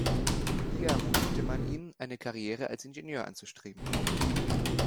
Hier ermutigte man ihn, eine Karriere als Ingenieur anzustreben.